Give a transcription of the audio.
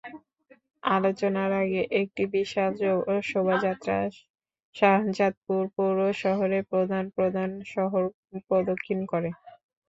আলোচনার আগে একটি বিশাল শোভাযাত্রা শাহজাদপুর পৌর শহরের প্রধান প্রধান সড়ক প্রদক্ষিণ করে।